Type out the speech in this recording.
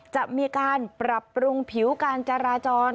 จะมีการปรับปรุงผิวการจราจร